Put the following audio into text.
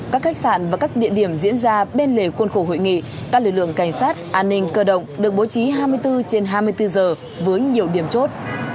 các khách sạn và các địa điểm diễn ra bên lề khuôn khổ hội nghị các lực lượng cảnh sát an ninh cơ động được bố trí hai mươi bốn trên hai mươi bốn giờ với nhiều điểm chốt